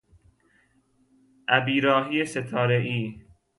ابیراهی ستارهای